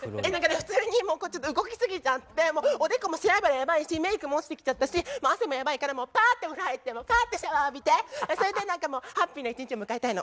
普通にもうちょっと動きすぎちゃっておでこも脂やばいしメークも落ちてきちゃったしもう汗もやばいからもうパーッてお風呂入ってパーッてシャワー浴びてそれで何かもうハッピーな一日を迎えたいの。